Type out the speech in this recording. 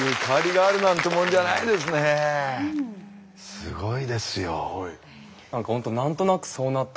すごいですよ。